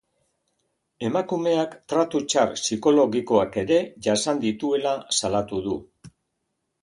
Emakumeak tratu txar psikologikoak ere jasan dituela salatu du.